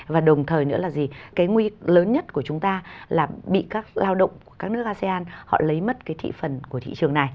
và đồng thời nữa là gì cái nguy lớn nhất của chúng ta là bị các lao động của các nước asean họ lấy mất cái thị phần của thị trường này